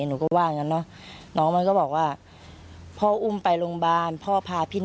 หนูก็ว่าอย่างงั้นเนอะน้องมันก็บอกว่าพ่ออุ้มไปโรงพยาบาลพ่อพาพี่